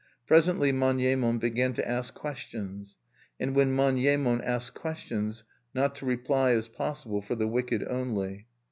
Presently Manyemon began to ask questions; and when Manyemon asks questions, not to reply is possible for the wicked only.